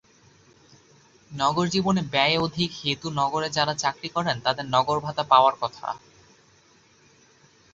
নগরজীবনে ব্যয় অধিক হেতু নগরে যাঁরা চাকরি করেন, তাঁদের নগরভাতা পাওয়ার কথা।